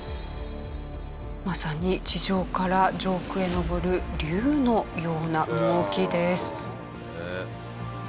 まさに地上から上空へ昇る龍のような動きです。